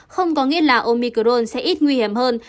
không có nghĩa là omicron sẽ ít nguy hiểm hơn